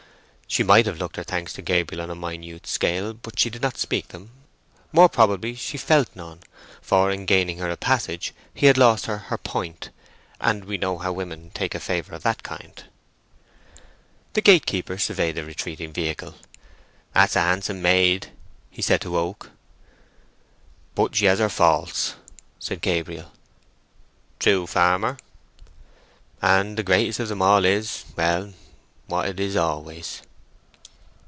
She might have looked her thanks to Gabriel on a minute scale, but she did not speak them; more probably she felt none, for in gaining her a passage he had lost her her point, and we know how women take a favour of that kind. The gatekeeper surveyed the retreating vehicle. "That's a handsome maid," he said to Oak. "But she has her faults," said Gabriel. "True, farmer." "And the greatest of them is—well, what it is always."